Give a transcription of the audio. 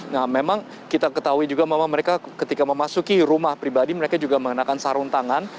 nah memang kita ketahui juga bahwa mereka ketika memasuki rumah pribadi mereka juga mengenakan sarung tangan